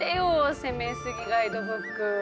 攻めすぎガイドブック。